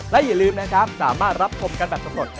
และอย่าลืมนะครับสามารถรับชมกันแบบสำรวจ